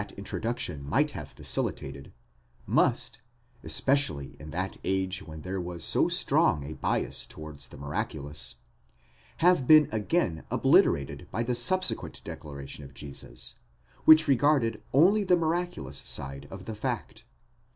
533 introduction might have facilitated, must, especially in that age when there was so strong a bias towards the miraculous, have been again obliterated by the subsequent declaration of Jesus, which regarded only the miraculous side of the fact.